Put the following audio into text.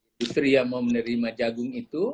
industri yang mau menerima jagung itu